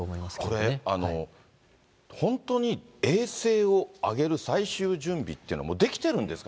これ、本当に衛星を上げる最終準備っていうのも出来てるんですか。